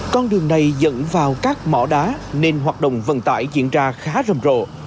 con đường này dẫn vào các mỏ đá nên hoạt động vận tải diễn ra khá rầm rộ